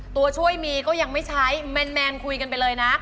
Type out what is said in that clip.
ตัวช่วยมีก็ยังไม่ใช้แมนคุยกันไปเลยนะ